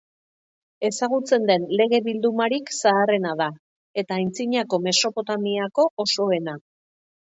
Ezagutzen den lege bildumarik zaharrena da, eta antzinako Mesopotamiako osoena.